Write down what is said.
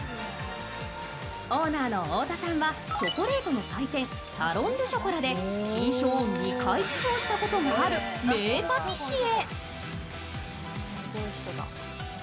オーナーの太田さんはチョコレートの祭典、サロン・デュ・ショコラで金賞を２回受賞したこともある名パティシエ。